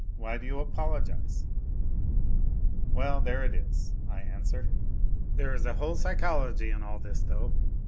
Why do you apologize ? Well, there it is, I answer. There is a whole psychology in all this, though.